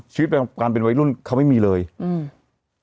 ชีวิตแปลกับปานเป็นวัยรุ่นก็ไม่มีเลยอืม